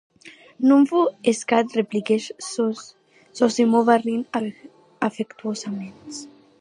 Non vo’n hescatz, repliquèc Zosimov arrint afectuosaments.